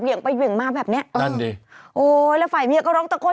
ไปเหวี่ยงมาแบบเนี้ยนั่นดิโอ้ยแล้วฝ่ายเมียก็ร้องตะโกน